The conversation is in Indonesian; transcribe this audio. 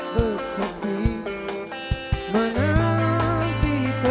di hati berbisik